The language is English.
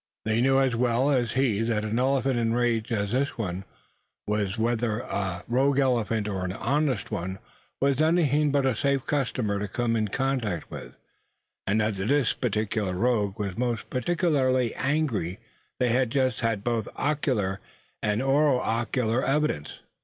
They knew as well as he that an elephant enraged as this one was, whether a rogue elephant or an honest one, was anything but a safe customer to come in contact with; and that this particular rogue was most particularly angry they had just had both ocular and auricular evidence.